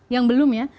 yang belum ya